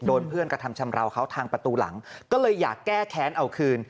โดนเพื่อนกระทำชำลาวเขาก็อยากแก้แค้นเอาหลบ